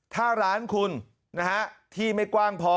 ถ้าร้านคุณที่ไม่กว้างพอ